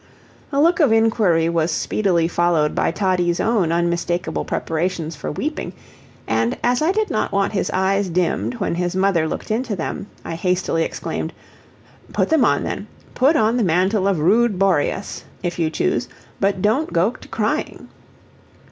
A look of inquiry was speedily followed by Toddie's own unmistakable preparations for weeping; and as I did not want his eyes dimmed when his mother looked into them I hastily exclaimed: "Put them on, then put on the mantle of rude Boreas, if you choose; but don't go to crying."